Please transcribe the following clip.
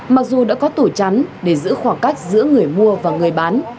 mặc dù đã có tủi chắn để giữ khoảng cách giữa người mua và người bán